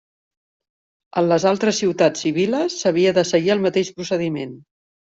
En les altres ciutats i viles s'havia de seguir el mateix procediment.